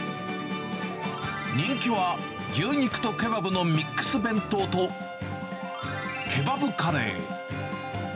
人気は、牛肉とケバブのミックス弁当と、ケバブカレー。